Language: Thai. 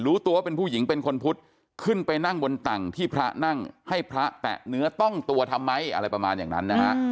รู้ตัวว่าเป็นผู้หญิงเป็นคนพุทธขึ้นไปนั่งบนตังที่พระนั่งให้พระแตะเนื้อต้องตัวทำไมอะไรประมาณอย่างนั้นนะฮะ